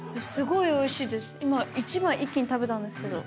今１枚一気に食べたんですけど。